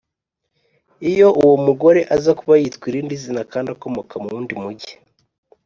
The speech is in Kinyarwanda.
Iyo uwo mugore aza kuba yitwa irindi zina kandi akomoka mu wundi mugi